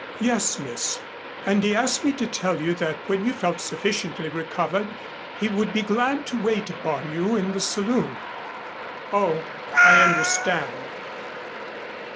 "Yes, miss. And he asked me to tell you that when you felt sufficiently recovered he would be glad to wait upon you in the saloon." "Oh, I understand."